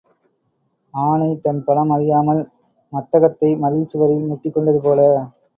ஆனை தன் பலம் அறியாமல் மத்தகத்தை மதில் சுவரில் முட்டிக் கொண்டது போல.